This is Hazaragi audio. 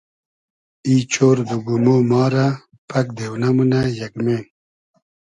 ای چۉرد و گومۉ ما رۂ پئگ دېونۂ مونۂ یئگمې